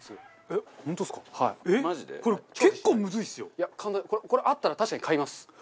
いや簡単これあったら確かに買います。